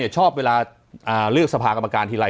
ชอบเวลาเลือกสภากรรมการทีไร